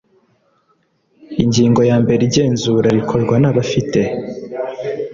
Ingingo ya mbere Igenzura rikorwa n abafite